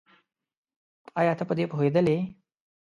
ايا ته په دې پوهېدلې؟